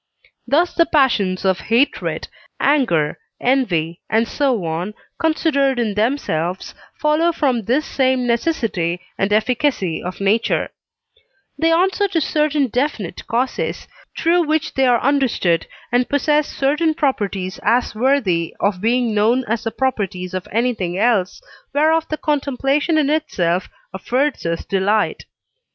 Thus the passions of hatred, anger, envy, and so on, considered in themselves, follow from this same necessity and efficacy of nature; they answer to certain definite causes, through which they are understood, and possess certain properties as worthy of being known as the properties of anything else, whereof the contemplation in itself affords us delight.